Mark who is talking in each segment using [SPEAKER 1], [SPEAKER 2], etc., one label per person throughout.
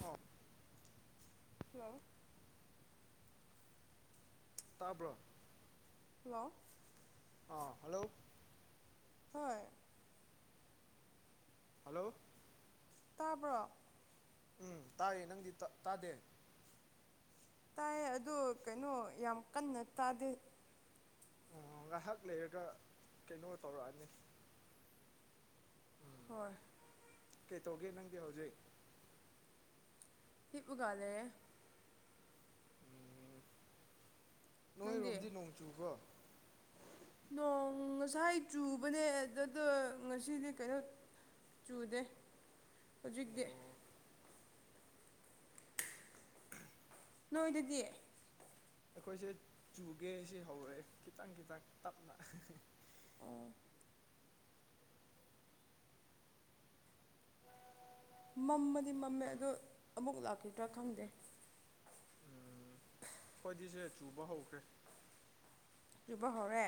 [SPEAKER 1] ꯍꯥ
[SPEAKER 2] ꯍꯜꯂꯣ
[SPEAKER 1] ꯇꯥꯕ꯭ꯔꯣ
[SPEAKER 2] ꯍꯜꯂꯣ
[SPEAKER 1] ꯑꯥ ꯍꯜꯂꯣ
[SPEAKER 2] ꯍꯣꯏ
[SPEAKER 1] ꯍꯜꯂꯣ
[SPEAKER 2] ꯇꯥꯕ꯭ꯔꯣ
[SPEAKER 1] ꯎꯝ ꯇꯥꯏꯌꯦ ꯅꯪꯗꯤ ꯇꯥꯗꯦ
[SPEAKER 2] ꯇꯥꯏ ꯑꯗꯨ ꯀꯩꯅꯣ ꯌꯥꯝ ꯀꯟꯅ ꯇꯥꯗꯦ
[SPEAKER 1] ꯑꯣ ꯉꯥꯏꯍꯥꯛ ꯂꯩꯔꯒ ꯀꯩꯅꯣ ꯇꯧꯔꯛꯑꯅꯤ
[SPEAKER 2] ꯍꯣꯏ
[SPEAKER 1] ꯀꯩ ꯇꯧꯒꯦ ꯅꯪꯗꯤ ꯍꯧꯖꯤꯛ
[SPEAKER 2] ꯍꯤꯞꯄꯒ ꯂꯩꯌꯦ
[SPEAKER 1] ꯎꯝ
[SPEAKER 2] ꯅꯪꯗꯤ
[SPEAKER 1] ꯅꯣꯏꯔꯣꯝꯗꯤ ꯅꯣꯡ ꯆꯨꯕꯔꯣ
[SPEAKER 2] ꯅꯣꯡ ꯉꯁꯥꯏ ꯆꯨꯕꯅꯦ ꯑꯗꯨꯗꯣ ꯉꯁꯤꯗꯤ ꯀꯩꯅꯣ ꯆꯨꯗꯦ ꯍꯧꯖꯤꯛꯇꯤ
[SPEAKER 1] ꯑꯣ [unintelligible]
[SPEAKER 2] ꯅꯣꯏꯗꯗꯤ
[SPEAKER 1] ꯑꯩꯈꯣꯏꯁꯦ ꯆꯨꯒꯦ ꯁꯤ ꯍꯧꯔꯦ ꯈꯤꯇꯪ ꯈꯤꯇꯪ ꯇꯞꯅ
[SPEAKER 2] ꯑꯣ ꯃꯝꯕꯗꯤ ꯃꯝꯃꯦ ꯑꯗꯣ ꯑꯃꯨꯛ ꯂꯥꯛꯈꯤꯗ꯭ꯔ ꯈꯪꯗꯦ
[SPEAKER 1] ꯎꯝ ꯑꯩꯈꯣꯏꯗꯤꯁꯦ ꯆꯨꯕ ꯍꯧꯈ꯭ꯔꯦ
[SPEAKER 2] ꯆꯨꯕ ꯍꯧꯔꯦ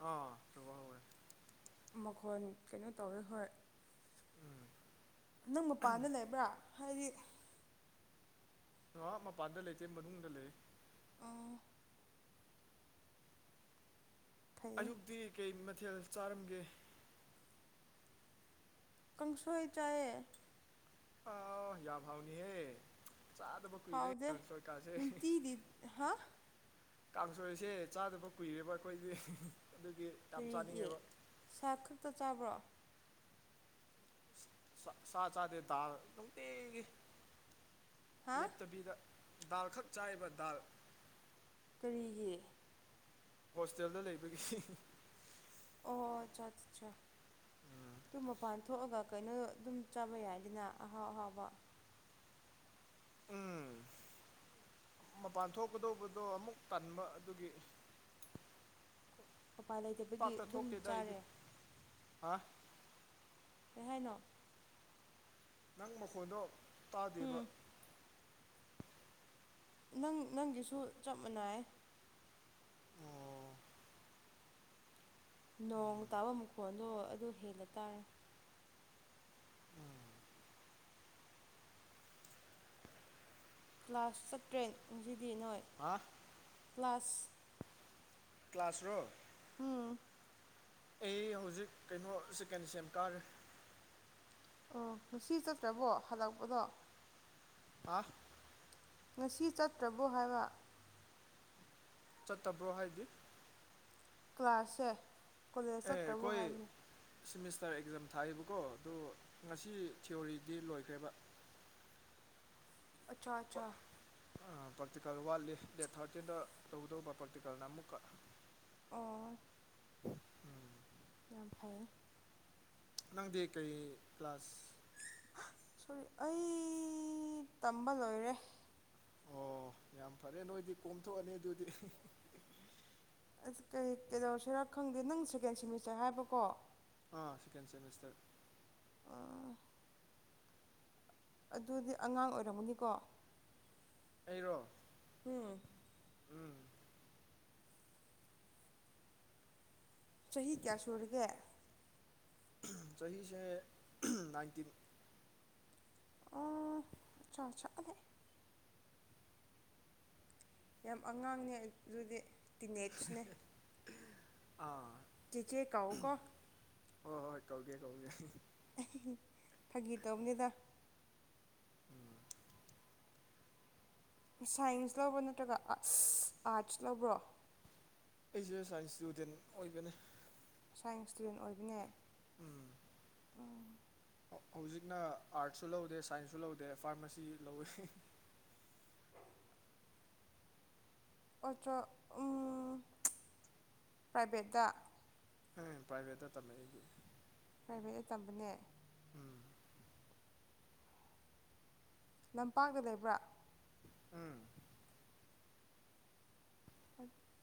[SPEAKER 1] ꯑꯣ ꯆꯨꯨꯕ ꯍꯧꯔꯦ
[SPEAKER 2] ꯃꯈꯣꯟ ꯀꯩꯅꯣ ꯇꯧꯋꯦ ꯍꯣꯏ
[SPEAKER 1] ꯎꯝ
[SPEAKER 2] ꯅꯪ ꯃꯄꯥꯟꯗ ꯂꯩꯕ꯭ꯔ ꯍꯥꯏꯗꯤ
[SPEAKER 1] ꯑꯥ ꯃꯄꯥꯟꯗ ꯂꯩꯇꯦ ꯃꯅꯨꯡꯗ ꯂꯩ
[SPEAKER 2] ꯑꯧ ꯐꯩꯌꯦ
[SPEAKER 1] ꯑꯌꯨꯛꯗꯤ ꯀꯩ ꯃꯊꯦꯜ ꯆꯥꯔꯝꯒꯦ
[SPEAKER 2] ꯀꯪꯁꯣꯏ ꯆꯥꯏꯌꯦ
[SPEAKER 1] ꯑꯥꯎ ꯌꯥꯝ ꯍꯥꯎꯅꯤꯍꯦ ꯆꯥꯗꯕ ꯀꯨꯏꯔꯦ
[SPEAKER 2] ꯍꯥꯎꯗꯦ
[SPEAKER 1] ꯀꯥꯡꯁꯣꯏ ꯀꯥꯁꯦ
[SPEAKER 2] ꯅꯨꯡꯇꯤꯗꯤ ꯍꯥ
[SPEAKER 1] ꯀꯥꯡꯁꯣꯏꯁꯦ ꯆꯥꯗꯕ ꯀꯨꯏꯔꯦꯕ ꯑꯈꯣꯏꯗꯤ [unintelligible] ꯑꯗꯨꯒꯤ ꯌꯥꯝ
[SPEAKER 2] ꯀꯔꯤꯒꯤ
[SPEAKER 1] ꯆꯥꯅꯤꯡꯉꯦꯕ
[SPEAKER 2] ꯁꯥꯛ ꯈꯛꯇ ꯆꯕ꯭ꯔꯣ
[SPEAKER 1] ꯁꯥ ꯁꯥ ꯆꯥꯗꯦ ꯗꯥꯜ ꯅꯨꯡꯇꯤꯒꯤ
[SPEAKER 2] ꯍꯥ
[SPEAKER 1] ꯂꯦꯞꯇꯕꯤꯗ ꯗꯥꯜ ꯈꯛ ꯆꯥꯏꯕ ꯗꯥꯜ
[SPEAKER 2] ꯀꯔꯤꯒꯤ
[SPEAKER 1] ꯍꯣꯁꯇꯦꯜꯗ ꯂꯩꯕꯒꯤ
[SPEAKER 2] ꯑꯣ ꯆꯣꯠꯆꯤ ꯆꯥ ꯗꯨ ꯃꯄꯥꯟ ꯊꯣꯛꯑꯒ ꯀꯩꯅꯣ ꯗꯨꯝ ꯆꯥꯕ ꯌꯥꯏꯗꯅ ꯑꯍꯥꯎ ꯑꯍꯥꯎꯕ
[SPEAKER 1] ꯎꯝ ꯃꯄꯥꯟ ꯊꯣꯛꯀꯗꯧꯕꯗꯣ ꯑꯃꯨꯛ ꯇꯟꯕ ꯑꯗꯨꯒꯤ
[SPEAKER 2] ꯎꯄꯥꯏ ꯂꯩꯇꯕꯒꯤ
[SPEAKER 1] ꯄꯥꯛꯇ
[SPEAKER 2] ꯑꯗꯨꯝ
[SPEAKER 1] ꯊꯣꯛꯇꯦꯗ ꯑꯩꯗꯤ
[SPEAKER 2] ꯆꯥꯔꯦ
[SPEAKER 1] ꯍꯥ
[SPEAKER 2] ꯀꯩ ꯍꯥꯏꯅꯣ
[SPEAKER 1] ꯅꯪ ꯃꯈꯣꯟꯗꯣ ꯇꯥꯗꯦꯕ
[SPEAKER 2] ꯎꯝ ꯅꯪ ꯅꯪꯒꯤꯁꯨ ꯆꯞ ꯃꯥꯟꯅꯥꯏ
[SPEAKER 1] ꯑꯣ
[SPEAKER 2] ꯅꯣꯡ ꯇꯥꯕ ꯃꯈꯣꯟꯗꯣ ꯑꯗꯨ ꯍꯦꯜꯂ ꯇꯥꯔꯦ
[SPEAKER 1] ꯑꯥ
[SPEAKER 2] ꯀ꯭ꯂꯥꯁ ꯆꯠꯇ꯭ꯔꯦ ꯉꯁꯤꯗꯤ ꯅꯣꯏ
[SPEAKER 1] ꯍꯥ
[SPEAKER 2] ꯀ꯭ꯂꯥꯁ
[SPEAKER 1] ꯀ꯭ꯂꯥꯁꯔꯣ
[SPEAKER 2] [unintelligible]
[SPEAKER 1] ꯑꯦ ꯍꯧꯖꯤꯛ ꯀꯩꯅꯣ ꯆꯤꯀꯟ ꯁꯦꯝ ꯀꯥꯔꯦ
[SPEAKER 2] ꯑꯣ ꯉꯁꯤ ꯆꯠꯇ꯭ꯔꯕꯣ ꯍꯜꯂꯛꯄꯗꯣ
[SPEAKER 1] ꯑꯥ
[SPEAKER 2] ꯉꯁꯤ ꯆꯠꯇ꯭ꯔꯕꯣ ꯍꯥꯏꯕ
[SPEAKER 1] ꯆꯠꯇꯕ꯭ꯔꯣ ꯍꯥꯏꯗꯤ
[SPEAKER 2] ꯀ꯭ꯂꯥꯁꯁꯦ ꯀꯣꯂꯦꯖ
[SPEAKER 1] ꯑꯦ
[SPEAKER 2] ꯆꯠꯇ꯭ꯔꯕꯣ
[SPEAKER 1] ꯑꯩꯈꯣꯏ
[SPEAKER 2] ꯍꯥꯏꯕꯅꯤ
[SPEAKER 1] ꯁꯤꯃꯤꯁꯇꯔ ꯑꯦꯛꯖꯥꯝ ꯊꯥꯏꯌꯦꯕꯀꯣ ꯑꯗꯣ ꯉꯁꯤ ꯊꯤꯌꯣꯔꯤꯗꯤ ꯂꯣꯏꯈ꯭ꯔꯦꯕ
[SPEAKER 2] ꯑꯠꯆꯥ ꯑꯠꯆꯥ
[SPEAKER 1] ꯑꯥ ꯄꯥꯛꯇꯤꯀꯜ ꯋꯥꯠꯂꯤ ꯗꯦꯠ ꯊꯥꯔꯇꯤꯗ ꯇꯧꯒꯗꯧꯕ ꯄꯥꯛꯇꯤꯀꯜꯅ ꯑꯃꯨꯛꯀ
[SPEAKER 2] ꯑꯣ
[SPEAKER 1] ꯎꯝ
[SPEAKER 2] ꯌꯥꯝ ꯐꯩ
[SPEAKER 1] ꯅꯪꯗꯤ ꯀꯩ ꯀ꯭ꯂꯥꯁ
[SPEAKER 2] ꯑꯥ ꯁꯣꯔꯤ ꯑꯩ ꯇꯝꯕ ꯂꯣꯏꯔꯦ
[SPEAKER 1] ꯑꯣ ꯌꯥꯝ ꯐꯔꯦ ꯅꯣꯏꯗꯤ ꯀꯣꯝꯊꯣꯛꯑꯅꯤ ꯑꯗꯨꯗꯤ
[SPEAKER 2] ꯑꯁ ꯀꯩ ꯀꯩꯗꯧꯁꯤꯔꯥ ꯈꯪꯗꯦ ꯅꯪ ꯁꯦꯀꯦꯟ ꯁꯦꯃꯤꯁꯇꯔ ꯍꯥꯏꯕꯀꯣ
[SPEAKER 1] ꯥ ꯑꯥ ꯁꯦꯀꯦꯟ ꯁꯦꯃꯤꯁꯇꯔ
[SPEAKER 2] ꯑꯥ ꯑꯗꯨꯗꯤ ꯑꯉꯥꯡ ꯑꯣꯏꯔꯝꯒꯅꯤꯀꯣ
[SPEAKER 1] ꯑꯩꯔꯣ
[SPEAKER 2] ꯎꯝ
[SPEAKER 1] ꯎꯝ
[SPEAKER 2] ꯆꯍꯤ ꯀꯌꯥ ꯁꯨꯔꯤꯒꯦ
[SPEAKER 1] ꯆꯍꯤꯁꯦ ꯅꯥꯏꯟꯇꯤꯟ
[SPEAKER 2] ꯑꯣ ꯑꯆꯥ ꯑꯆꯥ ꯑꯗꯦ ꯌꯥꯝ ꯑꯉꯥꯡꯅꯦ ꯑꯗꯨꯗꯤ ꯇꯤꯅꯦꯖꯅꯦ
[SPEAKER 1] ꯑꯥ
[SPEAKER 2] ꯆꯤꯆꯦ ꯀꯥꯎꯀꯣ
[SPEAKER 1] ꯍꯣꯏ ꯍꯣꯏ ꯀꯧꯒꯦ ꯀꯧꯒꯦ
[SPEAKER 2] ꯐꯥꯒꯤ ꯇꯧꯕꯅꯤꯗ
[SPEAKER 1] ꯎꯝ
[SPEAKER 2] ꯁꯥꯏꯟꯁ ꯂꯧꯕ꯭ꯔꯣ ꯅꯠꯇ꯭ꯔꯒ ꯑꯥꯔꯠꯁ ꯂꯧꯕ꯭ꯔꯣ
[SPEAKER 1] ꯑꯩꯁꯦ ꯁꯥꯏꯟꯁ ꯏꯁꯇꯨꯗꯦꯟ ꯑꯣꯏꯕꯅꯦ
[SPEAKER 2] ꯁꯥꯏꯟꯁ ꯏꯁꯇꯨꯗꯦꯟ ꯑꯣꯏꯕꯅꯦ
[SPEAKER 1] ꯎꯝ ꯍꯧꯖꯤꯛꯅ ꯑꯥꯔꯠꯁꯁꯨ ꯂꯧꯗꯦ ꯁꯥꯏꯟꯁꯁꯨ ꯂꯧꯗꯦ ꯐꯥꯔꯃꯥꯁꯤ ꯂꯧꯋꯤ
[SPEAKER 2] ꯑꯣꯆꯣ ꯎ ꯄ꯭ꯔꯥꯏꯚꯦꯠꯇ
[SPEAKER 1] ꯍ ꯄ꯭ꯔꯥꯏꯚꯦꯠꯇ ꯇꯝꯃꯦ ꯑꯩꯗꯤ
[SPEAKER 2] ꯄ꯭ꯔꯥꯏꯚꯦꯠꯇ ꯇꯝꯕꯅꯦ
[SPEAKER 1] ꯎꯝ
[SPEAKER 2] ꯂꯝꯄꯥꯛꯇ ꯂꯩꯕ꯭ꯔꯥ
[SPEAKER 1] ꯎꯝ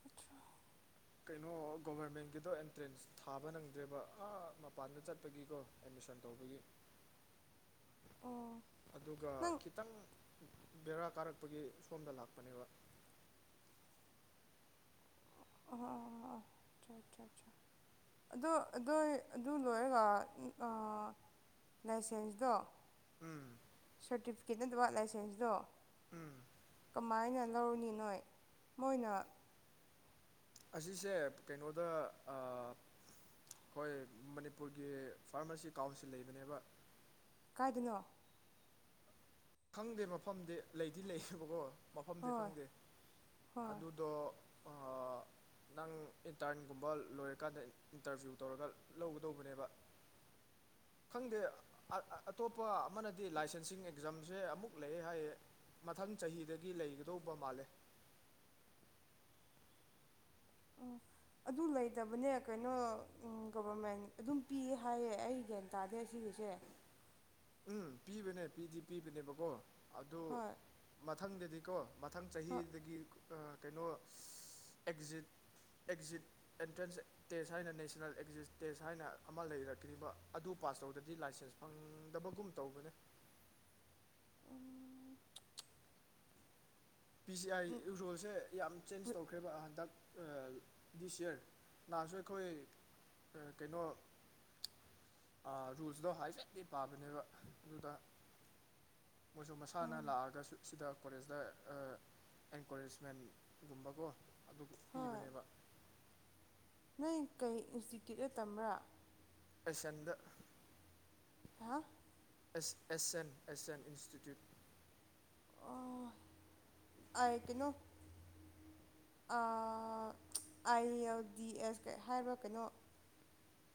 [SPEAKER 2] ꯑꯠꯆꯥ
[SPEAKER 1] ꯀꯩꯅꯣ ꯒꯣꯕꯔꯃꯦꯟꯒꯤꯗꯣ ꯑꯦꯟꯇ꯭ꯔꯦꯟꯁ ꯊꯥꯕ ꯅꯪꯗ꯭ꯔꯦꯕ ꯑꯥ ꯃꯄꯥꯟꯗ ꯆꯠꯄꯒꯤꯀꯣ ꯑꯦꯠꯃꯤꯁꯟ ꯇꯧꯕꯒꯤ
[SPEAKER 2] ꯑꯣ
[SPEAKER 1] ꯑꯗꯨꯒ
[SPEAKER 2] ꯅꯪ
[SPEAKER 1] ꯈꯤꯇꯪ ꯕꯦꯔꯥ ꯀꯥꯔꯛꯄꯒꯤ ꯁꯣꯝꯗ ꯂꯥꯛꯄꯅꯦꯕ
[SPEAKER 2] ꯑꯣ ꯑꯆꯥ ꯑꯠꯆꯥ ꯑꯗꯣ ꯑꯗꯣꯏ ꯑꯗꯨ ꯂꯣꯏꯔꯒ ꯎ ꯑ ꯂꯥꯏꯁꯦꯟꯁꯇꯣ
[SPEAKER 1] ꯎꯝ
[SPEAKER 2] ꯁꯥꯔꯇꯤꯐꯤꯀꯦꯠ ꯅꯠꯇꯕ ꯂꯥꯏꯁꯦꯟꯁꯇꯣ
[SPEAKER 1] ꯎꯝ
[SPEAKER 2] ꯀꯃꯥꯏꯅ ꯂꯧꯔꯨꯅꯤ ꯅꯣꯏ ꯃꯣꯏꯅ
[SPEAKER 1] ꯑꯁꯤꯁꯦ ꯀꯩꯅꯣꯗ ꯑ ꯍꯣꯏ ꯃꯅꯤꯄꯨꯔꯒꯤ ꯐꯥꯔꯃꯥꯁꯤ ꯀꯥꯎꯟꯁꯤꯜ ꯂꯩꯕꯅꯦꯕ
[SPEAKER 2] ꯀꯥꯏꯗꯅꯣ
[SPEAKER 1] ꯈꯪꯗꯦ ꯃꯐꯝꯗꯤ ꯂꯩꯗꯤ ꯂꯩꯌꯦꯕꯀꯣ ꯃꯐꯝꯗꯤ
[SPEAKER 2] ꯍꯣꯏ
[SPEAKER 1] ꯈꯪꯗꯦ
[SPEAKER 2] ꯍꯣꯏ
[SPEAKER 1] ꯑꯗꯨꯗꯣ ꯑ ꯅꯪ ꯏꯟꯇꯔꯟꯒꯨꯝꯕ ꯂꯣꯏꯔꯀꯥꯟꯗ ꯏꯟꯇꯔꯁ꯭ꯌꯨ ꯇꯧꯔꯒ ꯂꯧꯒꯗꯧꯕꯅꯦꯕ ꯈꯪꯗꯦ ꯑ ꯑꯇꯣꯞꯄ ꯑꯃꯅꯗꯤ ꯂꯥꯏꯁꯦꯟꯁꯤꯡ ꯑꯦꯛꯖꯥꯝ ꯁꯦ ꯑꯃꯨꯛ ꯂꯩ ꯍꯥꯏꯌꯦ ꯃꯊꯪ ꯆꯍꯤꯗꯒꯤ ꯂꯩꯒꯗꯧꯕ ꯃꯥꯜꯂꯦ
[SPEAKER 2] ꯎꯝ
[SPEAKER 1] [inaudible]
[SPEAKER 2] ꯑꯗꯨ ꯂꯩꯇꯕꯅꯦ ꯀꯩꯅꯣ ꯒꯣꯕꯔꯃꯦꯟ ꯑꯗꯨꯝ ꯄꯤ ꯍꯥꯏꯌꯦ ꯑꯩ ꯒ꯭ꯌꯥꯟ ꯇꯥꯗꯦ ꯑꯁꯤꯒꯤꯁꯦ
[SPEAKER 1] ꯎꯝ ꯄꯤꯕꯅꯦ ꯄꯤꯗꯤ ꯄꯤꯕꯅꯦꯕꯀꯣ ꯑꯗꯨ
[SPEAKER 2] ꯍꯣꯏ
[SPEAKER 1] ꯃꯊꯪꯗꯗꯤꯀꯣ ꯃꯊꯪ
[SPEAKER 2] ꯍꯣꯏ
[SPEAKER 1] ꯆꯍꯤꯗꯒꯤ ꯑ ꯀꯩꯅꯣ ꯑꯦꯛꯖꯤꯠ ꯑꯦꯛꯖꯤꯠ ꯑꯦꯟꯇ꯭ꯔꯦꯟꯁ ꯇꯦꯁ ꯍꯥꯏꯅ ꯅꯦꯁꯅꯦꯜ ꯑꯦꯛꯖꯤꯁ ꯇꯦꯁ ꯍꯥꯏꯅ ꯑꯃ ꯂꯩꯔꯛꯀꯅꯤꯕ ꯑꯗꯨ ꯄꯥꯁ ꯇꯧꯗ꯭ꯔꯗꯤ ꯂꯥꯏꯁꯦꯟꯁ ꯐꯪ ꯗꯕꯒꯨꯝ ꯇꯧꯕꯅꯦ
[SPEAKER 2] ꯎꯝ
[SPEAKER 1] ꯄꯤ ꯁꯤ ꯑꯥꯏ ꯌꯨꯖꯣꯜꯁꯦ ꯌꯥꯝ ꯆꯦꯟꯖ ꯇꯧꯈ꯭ꯔꯦꯕ ꯍꯟꯇꯛ ꯑ ꯗꯤꯁ ꯌꯔ ꯅꯍꯥꯟꯁꯨ ꯑꯩꯈꯣꯏ ꯑ ꯀꯩꯅꯣ ꯑ ꯔꯨꯜꯁꯗꯣ ꯍꯥꯏꯐꯦꯠꯇꯤ ꯄꯥꯕꯅꯦꯕ ꯑꯗꯨꯗ ꯃꯣꯏꯁꯨ ꯃꯁꯥꯅ
[SPEAKER 2] ꯎꯝ
[SPEAKER 1] ꯂꯥꯛꯑꯒꯁꯨ ꯁꯤꯗ ꯀꯣꯂꯦꯖꯇ ꯑ ꯑꯦꯟꯒꯣꯔꯦꯖꯃꯦꯟ ꯒꯨꯝꯕꯀꯣ ꯑꯗꯨ ꯄꯤꯕꯅꯦꯕ
[SPEAKER 2] ꯅꯪ ꯀꯩ ꯏꯟꯁꯇꯤꯇ꯭ꯌꯨꯠ ꯇ ꯇꯝꯕ꯭ꯔꯥ
[SPEAKER 1] ꯑꯦꯆ ꯑꯦꯟꯗ
[SPEAKER 2] ꯍꯥ
[SPEAKER 1] S S N S N institute
[SPEAKER 2] ꯑꯣ ꯑꯥꯏ ꯀꯩꯅꯣ ꯑ ꯑꯥꯏ ꯑꯦꯜ ꯗꯤ ꯑꯦꯁ ꯀꯩ ꯍꯥꯏꯕ꯭ꯔꯥ ꯀꯩꯅꯣ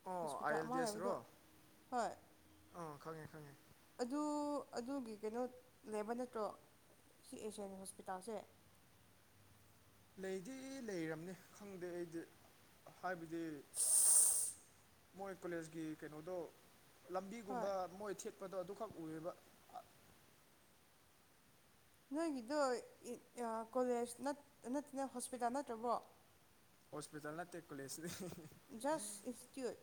[SPEAKER 1] ꯑꯣ ꯑꯥꯏ
[SPEAKER 2] ꯍꯣꯁꯄꯤꯇꯥꯜ
[SPEAKER 1] ꯑꯦꯜ
[SPEAKER 2] ꯑꯃ
[SPEAKER 1] ꯗꯤ ꯑꯦꯁ ꯔꯣ
[SPEAKER 2] ꯂꯩꯕꯗꯣ ꯍꯣꯏ
[SPEAKER 1] ꯑꯥ ꯈꯪꯉꯦ ꯈꯪꯉꯦ
[SPEAKER 2] ꯑꯗꯨ ꯑꯗꯨꯒꯤ ꯀꯩꯅꯣ ꯂꯩꯕ ꯅꯠꯇ꯭ꯔꯣ ꯁꯤ ꯑꯦꯁꯤꯌꯥꯟ ꯍꯣꯁꯄꯤꯇꯥꯜꯁꯦ
[SPEAKER 1] ꯂꯩꯗꯤ ꯂꯩꯔꯝꯅꯤ ꯈꯪꯗꯦ ꯑꯩꯗꯤ ꯍꯥꯏꯕꯗꯤ
[SPEAKER 2] [inaudible]
[SPEAKER 1] ꯃꯣꯏ ꯀꯣꯂꯦꯖꯀꯤ ꯀꯩꯅꯣꯗꯣ
[SPEAKER 2] ꯍꯣꯏ
[SPEAKER 1] ꯂꯝꯕꯤꯒꯨꯝꯕ ꯃꯣꯏ ꯊꯦꯠꯄꯗꯣ ꯑꯗꯨꯈꯛ ꯎꯋꯦꯕ
[SPEAKER 2] ꯅꯣꯏꯒꯤꯗꯣ ꯏ ꯑ ꯀꯣꯂꯦꯖ ꯅꯠ ꯅꯠꯇꯅ ꯍꯣꯁꯄꯤꯇꯥꯜ ꯅꯠꯇ꯭ꯔꯕꯣ
[SPEAKER 1] ꯍꯣꯁꯄꯤꯇꯥꯜ ꯅꯠꯇꯦ ꯀꯣꯂꯦꯖꯅꯦ
[SPEAKER 2] ꯖꯁ ꯏꯟꯁꯇ꯭ꯌꯨꯠ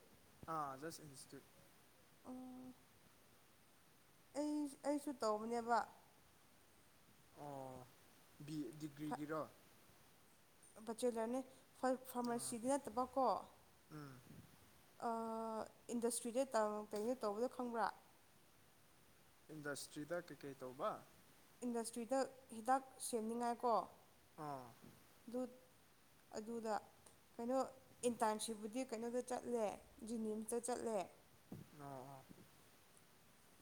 [SPEAKER 1] ꯑ ꯖꯁ ꯏꯟꯁꯇ꯭ꯌꯨꯠ
[SPEAKER 2] ꯎꯝ ꯑꯩꯁ ꯑꯩꯁꯨ ꯇꯧꯕꯅꯦꯕ
[SPEAKER 1] ꯑꯣ ꯕꯤ ꯗꯤꯒ꯭ꯔꯤꯒꯤꯔꯣ
[SPEAKER 2] ꯕꯆꯦꯂꯔꯅꯦ ꯐꯥꯔ
[SPEAKER 1] ꯑꯥ
[SPEAKER 2] ꯐꯥꯔꯃꯥꯁꯤꯗꯤ ꯅꯠꯇꯕꯀꯣ
[SPEAKER 1] ꯎꯝ
[SPEAKER 2] ꯑꯥ ꯏꯟꯗꯁꯇ꯭ꯔꯤꯗ ꯇꯧ ꯀꯩꯅꯣ ꯇꯧꯕꯗꯣ ꯈꯪꯕ꯭ꯔꯥ
[SPEAKER 1] ꯏꯟꯗꯁꯇ꯭ꯔꯤꯗ ꯀꯩꯀꯩ ꯇꯧꯕ
[SPEAKER 2] ꯏꯟꯗꯁꯇ꯭ꯔꯤꯗ ꯍꯤꯗꯥꯛ ꯁꯦꯝꯅꯤꯡꯉꯥꯏꯀꯣ
[SPEAKER 1] ꯑꯣ
[SPEAKER 2] ꯍꯨꯠ ꯑꯗꯨꯗ ꯀꯩꯅꯣ ꯏꯟꯇꯥꯏꯝꯁꯤꯞꯄꯨꯗꯤ ꯀꯩꯅꯣꯗ ꯆꯠꯂꯦ ꯖꯤꯅꯤꯝꯁꯇ ꯆꯠꯂꯦ
[SPEAKER 1] ꯑꯣ ꯑꯣ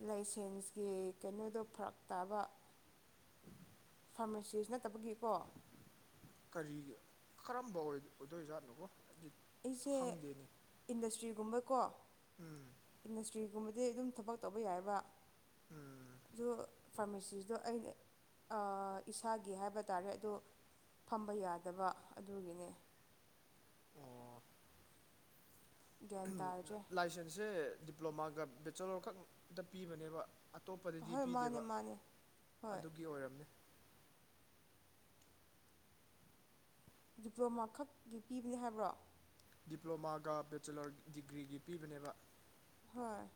[SPEAKER 2] ꯂꯩꯁꯦꯟꯁꯀꯤ ꯀꯩꯅꯣꯗꯣ ꯐꯔꯛ ꯇꯥꯕ ꯐꯥꯔꯃꯥꯁꯤꯁ ꯅꯠꯇꯕꯒꯤꯀꯣ
[SPEAKER 1] ꯀꯔꯤꯒꯤ ꯀꯔꯝꯕ ꯑꯣꯏ ꯑꯣꯏꯗꯣꯏꯖꯥꯠꯅꯣ ꯗꯤ
[SPEAKER 2] ꯑꯩꯖꯦ ꯏꯟꯗꯁꯇ꯭ꯔꯤꯒꯨꯝꯕꯀꯣ
[SPEAKER 1] ꯎꯝ
[SPEAKER 2] ꯏꯟꯗꯁ ꯇ꯭ꯔꯤꯒꯨꯝꯕꯗꯤ ꯑꯗꯨꯝ ꯊꯕꯛ ꯇꯧꯕ ꯌꯥꯏꯌꯦꯕ
[SPEAKER 1] ꯎꯝ
[SPEAKER 2] ꯑꯗꯨ ꯐꯥꯔꯃꯥꯁꯤꯁꯗꯣ ꯑꯩꯅ ꯑꯥ ꯏꯁꯥꯒꯤ ꯍꯥꯏꯕ ꯇꯥꯔꯦ ꯑꯗꯨ ꯐꯝꯕ ꯌꯥꯗꯕ ꯑꯗꯨꯒꯤꯅꯦ
[SPEAKER 1] ꯑꯣ
[SPEAKER 2] ꯒ꯭ꯌꯥꯟ ꯇꯥꯗ꯭ꯔꯦ
[SPEAKER 1] ꯂꯥꯏꯁꯦꯟꯁꯁꯦ ꯗꯤꯄ꯭ꯂꯣꯃꯥꯒ ꯕꯦꯆꯂꯣꯔ ꯈꯛꯇ ꯄꯤꯕꯅꯦꯕ ꯑꯇꯣꯞꯄꯗꯗꯤ
[SPEAKER 2] ꯍꯣꯏ ꯃꯥꯅꯦ
[SPEAKER 1] ꯄꯤꯗꯦꯕ
[SPEAKER 2] ꯃꯥꯅꯦ ꯍꯣꯏ
[SPEAKER 1] ꯑꯗꯨꯒꯤ ꯑꯣꯏꯔꯝꯅꯤ
[SPEAKER 2] ꯗꯤꯄ꯭ꯂꯣꯃꯥ ꯈꯛꯀꯤ ꯄꯤꯕꯅꯤ ꯍꯥꯏꯕ꯭ꯔꯣ
[SPEAKER 1] ꯗꯤꯄ꯭ꯂꯣꯃꯥꯒ ꯕꯦꯆꯤꯂꯔ ꯗꯤꯒ꯭ꯔꯤꯒꯤ ꯄꯤꯕꯅꯦꯕ
[SPEAKER 2] ꯍꯣꯏ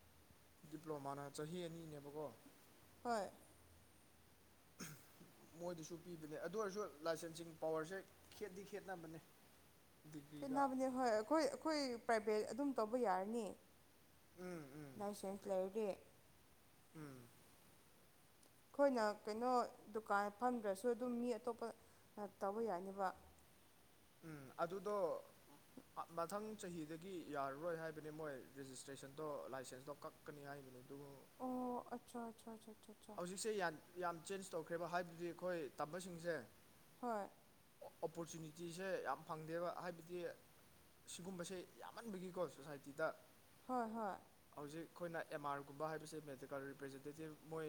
[SPEAKER 1] ꯗꯤꯄ꯭ꯂꯣꯃꯥꯅ ꯆꯍꯤ ꯑꯅꯤꯅꯦꯕꯀꯣ
[SPEAKER 2] ꯍꯣꯏ
[SPEAKER 1] ꯎꯝ ꯃꯣꯏꯗꯁꯨ ꯄꯤꯕꯅꯦ ꯑꯗꯨ ꯑꯣꯏꯔꯁꯨ ꯂꯥꯏꯁꯦꯟꯁꯤꯡ ꯄꯋꯥꯔꯁꯦ ꯈꯦꯠꯗꯤ ꯈꯦꯠꯅꯕꯅꯦ ꯗꯤꯒ꯭ꯔꯤꯒ
[SPEAKER 2] ꯈꯦꯠꯅꯕꯅꯦ ꯍꯣꯏ ꯑꯩꯈꯣꯏ ꯑꯩꯈꯣꯏ ꯄ꯭ꯔꯥꯏꯚꯦꯠ ꯑꯗꯨꯝ ꯇꯧꯕ ꯌꯥꯔꯅꯤ
[SPEAKER 1] ꯎꯝ ꯎꯝ
[SPEAKER 2] ꯂꯥꯏꯁꯦꯟꯁ ꯂꯩꯔꯗꯤ
[SPEAKER 1] ꯎꯝ
[SPEAKER 2] ꯑꯩꯈꯣꯏꯅ ꯀꯩꯅꯣ ꯗꯨꯀꯥꯟ ꯐꯝꯗ꯭ꯔꯁꯨ ꯑꯗꯨꯝ ꯃꯤ ꯑꯇꯣꯞꯄ ꯇꯧꯕ ꯌꯥꯏꯅꯤꯕ
[SPEAKER 1] ꯎꯝ ꯑꯗꯨꯗꯣ ꯑ ꯃꯊꯪ ꯆꯍꯤꯗꯒꯤ ꯌꯥꯔꯔꯣꯏ ꯍꯥꯏꯕꯅꯤ ꯃꯣꯏ ꯔꯦꯖꯤꯁꯇ꯭ꯔꯦꯁꯟꯗꯣ ꯂꯥꯏꯁꯦꯟꯁꯇꯣ ꯀꯛ ꯀꯅꯤ ꯍꯥꯏꯕꯅꯤ ꯑꯗꯣ
[SPEAKER 2] ꯑꯣ ꯑꯆꯥ ꯆꯥ ꯆꯥ
[SPEAKER 1] ꯍꯧꯖꯤꯛꯁꯦ ꯌꯥꯟ ꯌꯥꯝ ꯆꯦꯟꯖ ꯇꯧꯈ꯭ꯔꯦꯕ ꯍꯥꯏꯕꯗꯤ ꯑꯩꯈꯣꯏ ꯇꯝꯕꯁꯤꯡꯁꯦ
[SPEAKER 2] ꯍꯣꯏ
[SPEAKER 1] ꯑꯣꯄꯣꯔꯆꯨꯅꯤꯇꯤꯁꯦ ꯌꯥꯝ ꯐꯪꯗꯦꯕ ꯍꯥꯏꯕꯗꯤ ꯁꯤꯒꯨꯝꯕꯁꯦ ꯌꯥꯝꯃꯟꯕꯒꯤꯀꯣ ꯁꯣꯁꯥꯏꯇꯤꯗ
[SPEAKER 2] ꯍꯣꯏ ꯍꯣꯏ
[SPEAKER 1] ꯍꯧꯖꯤꯛ ꯑꯈꯣꯏꯅ ꯑꯦꯝꯃꯥꯔꯒꯨꯝꯕ ꯍꯥꯏꯕꯁꯦ ꯃꯦꯗꯤꯀꯦꯜ ꯔꯤꯄ꯭ꯔꯖꯦꯟꯇꯦꯇꯤꯞ ꯃꯣꯏ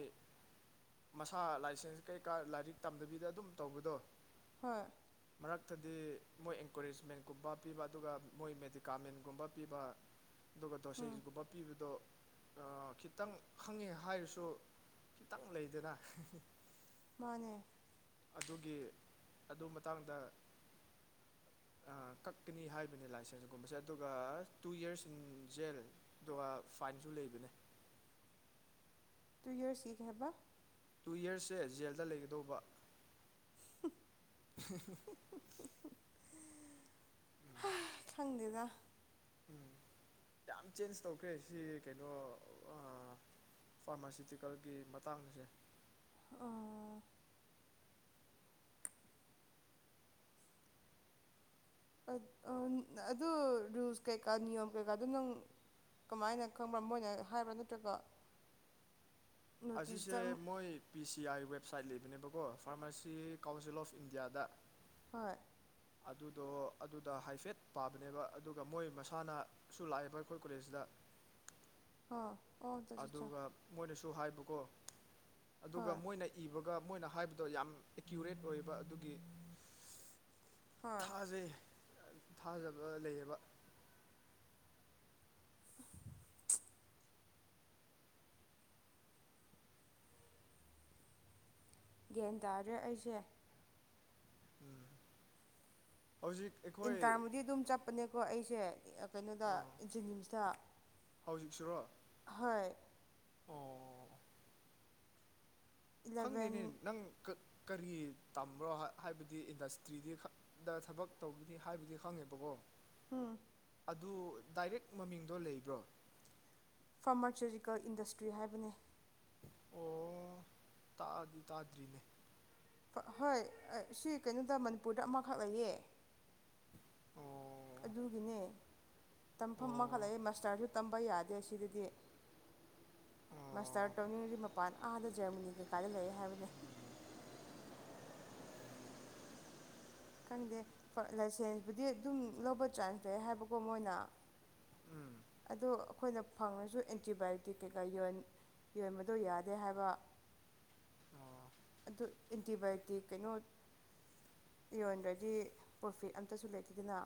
[SPEAKER 1] ꯃꯁꯥꯅ ꯂꯥꯏꯁꯦꯟꯁ ꯀꯩꯀꯥ ꯂꯥꯏꯔꯤꯛ ꯇꯝꯗꯕꯤꯗ ꯑꯗꯨꯝ ꯇꯧꯕꯗꯣ
[SPEAKER 2] ꯍꯣꯏ
[SPEAKER 1] ꯃꯔꯛꯇꯗꯤ ꯃꯣꯏ ꯑꯦꯟꯀꯔꯦꯖꯃꯦꯟꯒꯨꯝꯕ ꯄꯤꯕ ꯑꯗꯨꯒ ꯃꯣꯏ ꯃꯦꯗꯤꯀꯥꯃꯦꯟꯒꯨꯝꯕ ꯄꯤꯕ ꯑꯗꯨꯒ
[SPEAKER 2] ꯎꯝ
[SPEAKER 1] ꯗꯣꯁꯦꯒꯨꯝꯕ ꯄꯤꯕꯗꯣ ꯑꯥ ꯈꯤꯇꯪ ꯈꯪꯉꯦ ꯍꯥꯏꯔꯁꯨ ꯇꯪ ꯂꯩꯇꯦꯅ
[SPEAKER 2] ꯃꯥꯅꯦ
[SPEAKER 1] ꯑꯗꯨꯒꯤ ꯑꯗꯨ ꯃꯇꯥꯡꯗ ꯑꯥ ꯀꯛꯀꯅꯤ ꯍꯥꯏꯕꯅꯤ ꯂꯥꯏꯁꯦꯟꯁꯀꯨꯝꯕꯁꯦ ꯑꯗꯨꯒ ꯇꯨ ꯌꯔꯁ ꯏꯟ ꯖꯦꯜ ꯗꯨꯒꯥ ꯐꯥꯏꯟꯁꯨ ꯂꯩꯕꯅꯦ
[SPEAKER 2] ꯇꯨ ꯏꯌꯔꯁ ꯀꯩ ꯍꯥꯏꯕ
[SPEAKER 1] ꯇꯨ ꯌꯔꯁꯁꯦ ꯖꯦꯜꯗ ꯂꯩꯒꯗꯧꯕ
[SPEAKER 2] [inaudible] ꯍꯥ ꯈꯪꯗꯦꯗ
[SPEAKER 1] ꯎꯝ ꯌꯥꯝ ꯆꯦꯟꯖ ꯇꯧꯈ꯭ꯔꯦ ꯁꯤ ꯀꯩꯅꯣ ꯑꯥ ꯐꯥꯔꯃꯥꯁꯤꯇꯤꯀꯦꯜꯒꯤ ꯃꯇꯥꯡ ꯑꯁꯦ
[SPEAKER 2] ꯑꯥ ꯑꯗꯨ ꯔꯨꯜꯁ ꯀꯩꯀꯥ ꯅꯤꯌꯣꯝ ꯀꯩꯀꯥꯗꯣ ꯅꯪ ꯀꯃꯥꯏꯅ ꯀꯩ ꯈꯪꯕ꯭ꯔꯥ ꯃꯣꯏꯅ ꯍꯥꯏꯕ꯭ꯔꯥ ꯅꯠꯇ꯭ꯔꯒ
[SPEAKER 1] ꯑꯁꯤꯁꯦ
[SPEAKER 2] ꯅꯣꯇꯤꯁꯇ
[SPEAKER 1] ꯃꯣꯏ ꯄꯤ ꯁꯤ ꯑꯥꯏ ꯋꯦꯕꯁꯥꯏꯠ ꯂꯩꯕꯅꯦꯕꯀꯣ ꯐꯥꯔꯃꯥꯁꯤ ꯀꯥꯎꯟꯁꯤꯜ ꯑꯣꯐ ꯏꯟꯗꯤꯌꯥꯗ
[SPEAKER 2] ꯍꯣꯏ
[SPEAKER 1] ꯑꯗꯨꯗꯣ ꯑꯗꯨꯗ ꯍꯥꯏꯐꯦꯠ ꯄꯥꯕꯅꯦꯕ ꯑꯗꯨꯒ ꯃꯣꯏ ꯃꯁꯥꯅ ꯁꯨ ꯂꯥꯛꯑꯦꯕ ꯑꯩꯈꯣꯏ ꯀꯣꯂꯦꯖꯁꯤꯗ
[SPEAKER 2] ꯍꯥ ꯑꯣ ꯆꯣ ꯆꯣ ꯆꯣ
[SPEAKER 1] ꯑꯗꯨꯒ ꯃꯣꯏꯅꯁꯨ ꯍꯥꯏꯕꯀꯣ ꯑꯗꯨꯒ
[SPEAKER 2] ꯍꯣꯏ
[SPEAKER 1] ꯃꯣꯏꯅ ꯏꯕꯒ ꯃꯣꯏꯅ ꯍꯥꯏꯕꯗꯣ ꯌꯥꯝ ꯑꯦꯀ꯭ꯌꯨꯔꯦꯠ ꯑꯣꯏꯕ ꯑꯗꯨꯒꯤ
[SPEAKER 2] ꯍꯣꯏ
[SPEAKER 1] ꯊꯥꯖꯩ ꯊꯥꯖꯕ ꯂꯩꯌꯦꯕ
[SPEAKER 2] ꯒ꯭ꯌꯥꯟ ꯇꯥꯗ꯭ꯔꯦ ꯑꯩꯁꯦ
[SPEAKER 1] ꯎꯝ ꯍꯧꯖꯤꯛ ꯑꯩꯈꯣꯏ
[SPEAKER 2] ꯏꯟꯇꯔꯕꯨꯗꯤ ꯑꯗꯨꯝ ꯆꯠꯄꯅꯦꯀꯣ ꯑꯩꯁꯦ ꯀꯩꯅꯣꯗ
[SPEAKER 1] ꯑꯥ
[SPEAKER 2] ꯖꯦꯅꯤꯝꯁꯇ
[SPEAKER 1] ꯍꯧꯖꯤꯛꯁꯤꯔꯣ
[SPEAKER 2] ꯍꯣꯏ
[SPEAKER 1] ꯑꯣ
[SPEAKER 2] ꯏꯂꯚꯦꯟ
[SPEAKER 1] ꯈꯪꯗꯦꯅꯦ ꯅꯪ ꯀꯔꯤ ꯇꯝꯕ꯭ꯔꯣ ꯍꯥꯏꯕꯗꯤ ꯏꯟꯗꯁꯇ꯭ꯔꯤꯗꯤ ꯈꯛ ꯗ ꯊꯕꯛ ꯇꯧꯕꯗꯤ ꯍꯥꯏꯕꯨꯗꯤ ꯈꯪꯉꯦꯕꯀꯣ
[SPEAKER 2] ꯑꯥ
[SPEAKER 1] ꯑꯗꯨ ꯗꯥꯏꯔꯦꯛ ꯃꯃꯤꯡꯗꯣ ꯂꯩꯕ꯭ꯔꯣ
[SPEAKER 2] ꯐꯥꯔꯃꯥꯆꯨꯇꯤꯀꯦꯜ ꯏꯟꯗꯁꯇ꯭ꯔꯤ ꯍꯥꯏꯕꯅꯦ
[SPEAKER 1] ꯑꯣ ꯇꯥꯗꯤ ꯇꯥꯗ꯭ꯔꯤꯅꯦ
[SPEAKER 2] ꯍꯣꯏ ꯁꯤ ꯀꯩꯅꯣꯗ ꯃꯅꯤꯄꯨꯔꯗ ꯑꯃꯈꯛ ꯂꯩꯌꯦ
[SPEAKER 1] ꯑꯣ
[SPEAKER 2] ꯑꯗꯨꯒꯤꯅꯦ ꯇꯝꯐꯝ ꯑꯃꯈꯠꯂꯛ
[SPEAKER 1] ꯑꯣ
[SPEAKER 2] ꯂꯌꯦ ꯃꯥꯁꯇꯔꯁꯨ ꯇꯝꯕ ꯌꯥꯗꯦ ꯁꯤꯗꯗꯤ ꯃꯥꯁꯇꯥꯔ
[SPEAKER 1] ꯑꯣ
[SPEAKER 2] ꯇꯧꯅꯤꯡꯉꯗꯤ ꯃꯄꯥꯟ ꯑꯥꯗ ꯖꯔꯃꯅꯤ ꯀꯩꯀꯥꯗ ꯂꯩ ꯍꯥꯏꯕꯅꯤ
[SPEAKER 1] [inaudible]
[SPEAKER 2] ꯈꯪꯗꯦ ꯂꯥꯏꯁꯦꯟꯁꯄꯨꯗꯤ ꯑꯗꯨꯝ ꯂꯧꯕ ꯆꯥꯟꯁ ꯂꯩ ꯍꯥꯏꯕꯀꯣ ꯃꯣꯏꯅ
[SPEAKER 1] ꯎꯝ
[SPEAKER 2] ꯑꯗꯣ ꯑꯩꯈꯣꯏꯅ ꯐꯪꯉꯁꯨ ꯑꯦꯟꯇꯤꯕꯥꯌꯣꯇꯤꯛ ꯀꯩꯀꯥ ꯌꯣꯟ ꯌꯣꯟꯕꯗꯣ ꯌꯥꯗꯦ ꯍꯥꯏꯕ
[SPEAKER 1] ꯑꯣ
[SPEAKER 2] ꯑꯗꯨ ꯑꯦꯟꯇꯤꯕꯥꯌꯣꯇꯤꯛ ꯀꯩꯅꯣ ꯌꯣꯟꯗ꯭ꯔꯗꯤ ꯄ꯭ꯔꯣꯐꯤꯠ ꯑꯝꯇꯁꯨ ꯂꯩꯇꯦꯗꯅ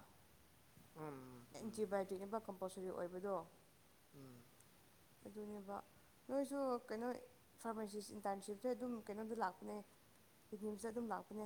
[SPEAKER 1] ꯎꯝ ꯎꯝ
[SPEAKER 2] ꯑꯦꯟꯇꯤꯕꯥꯏꯌꯣꯇꯤꯛꯅꯦꯅꯕ ꯀꯝꯄꯜꯁꯔꯤ ꯑꯣꯏꯕꯗꯣ
[SPEAKER 1] ꯎꯝ
[SPEAKER 2] ꯑꯗꯨꯅꯦꯕ ꯅꯣꯏꯁꯨ ꯀꯩꯅꯣ ꯐꯥꯔꯃꯥꯁꯤꯁ ꯏꯟꯇꯔꯟꯁꯤꯞꯁꯦ ꯑꯗꯨꯝ ꯀꯩꯅꯣꯗ ꯂꯥꯛꯄꯅꯦ ꯀꯤꯗꯅꯤꯝꯇ ꯑꯗꯨꯝ ꯂꯥꯛꯄꯅꯦ